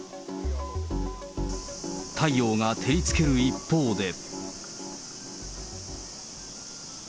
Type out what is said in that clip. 太陽が照りつける一方で。